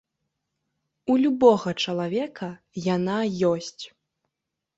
У любога чалавека яна ёсць.